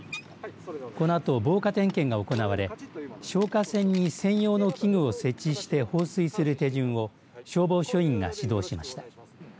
このあと防火点検が行われ消火栓に専用の器具を設置して放水する手順を消防署員が指導しました。